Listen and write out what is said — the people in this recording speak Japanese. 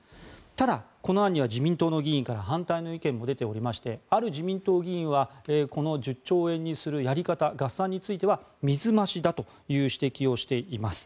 ただ、この案には自民党の議員から反対の意見も出ておりましてある自民党議員はこの１０兆円にするやり方合算については水増しだという指摘をしています。